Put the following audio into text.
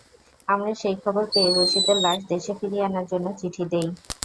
আমরা সেই খবর পেয়ে রশিদের লাশ দেশে ফিরিয়ে আনার জন্য চিঠি দিই।